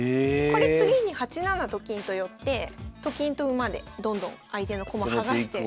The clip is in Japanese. これ次に８七と金と寄ってと金と馬でどんどん相手の駒剥がして。